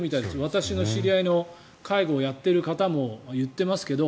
私の知り合いの介護をやっている方も言ってますけど